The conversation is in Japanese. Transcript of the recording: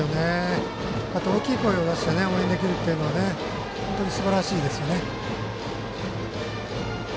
大きい声を出して応援できるのは本当にすばらしいですよね。